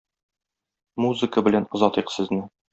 Музыка белән озатыйк сезне.